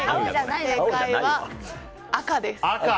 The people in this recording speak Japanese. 正解は赤です。